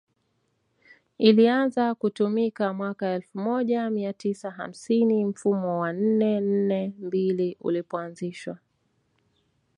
ilianza kutumika mwaka elfu moja mia tisa hamsini mfumo wa nne nne mbili ulipoanzishwa